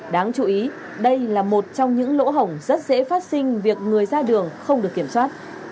đáng chú ý đây là một trong những lỗ hổng rất dễ phát sinh việc người ra đường không được kiểm soát